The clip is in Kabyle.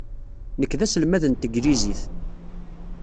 Nekk d aselmad n tneglizit.